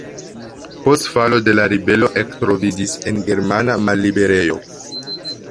Post falo de la ribelo ektroviĝis en germana malliberejo.